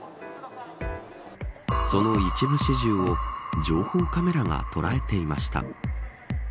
その一部始終を情報カメラが捉えていました。